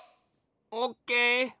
オッケー。